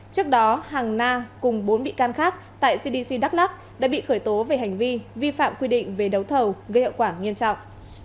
trước đó hàng na cùng bốn bị can khác tại cdc đắk lắc đã bị khởi tố về hành vi vi phạm quy định về đấu thầu gây hậu quả nghiêm trọng